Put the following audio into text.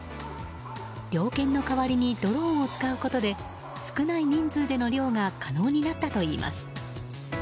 猟犬の代わりにドローンを使うことで少ない人数での猟が可能になったといいます。